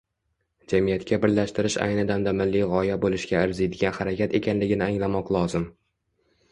– jamiyatga birlashtirish ayni damda milliy g‘oya bo‘lishga arziydigan harakat ekanligini anglamoq lozim.